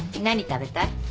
何食べたい？